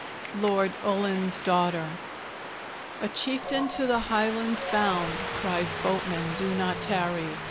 LORD ULLIN'S DAUGHTER A Chieftan, to the Highlands bound, Cries, "Boatman, do not tarry!